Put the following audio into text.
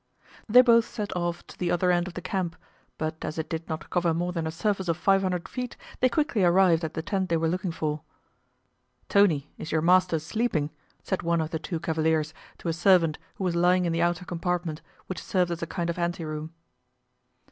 They both set off to the other end of the camp, but as it did not cover more than a surface of five hundred feet they quickly arrived at the tent they were looking for. "Tony, is your master sleeping?" said one of the two cavaliers to a servant who was lying in the outer compartment, which served as a kind of ante room.